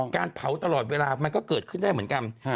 การเผาตลอดเวลามันก็เกิดขึ้นได้เหมือนกัน